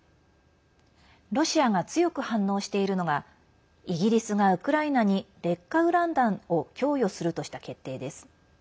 ロシアが強く反応しているのがイギリスがウクライナに劣化ウラン弾を供与するとした決定です。